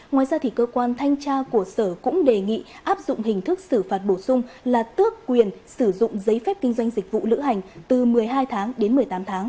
ngoài ra cơ quan thanh tra của sở cũng đề nghị áp dụng hình thức xử phạt bổ sung là tước quyền sử dụng giấy phép kinh doanh dịch vụ lữ hành từ một mươi hai tháng đến một mươi tám tháng